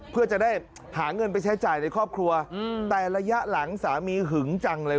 เพื่อจะได้หาเงินไปใช้จ่ายในครอบครัวแต่ระยะหลังสามีหึงจังเลย